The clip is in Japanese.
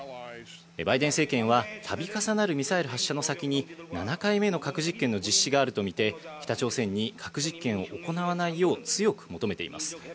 バイデン政権は度重なるミサイル発射の先に７回目の核実験の実施があると見て、北朝鮮に核実験を行わないよう強く求めています。